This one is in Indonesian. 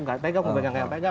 nggak pegang mau pegang kayak apa